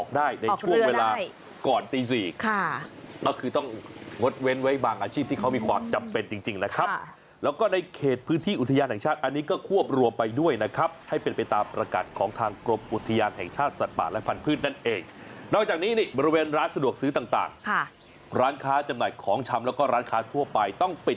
ในเรื่องให้ประชาชนในพื้นที่โจทย์รายยอง